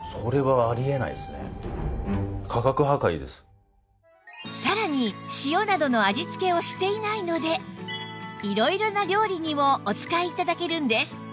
そしてさらに塩などの味付けをしていないので色々な料理にもお使い頂けるんです